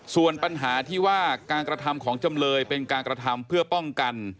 ส่วนปัญหาที่ว่าการกระทำของจำเลยเป็นการกระทำเพื่อป้องกัน